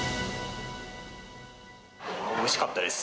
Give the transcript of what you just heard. おいしかったです。